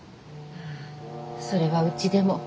あぁそれはうちでも。